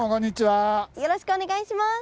よろしくお願いします。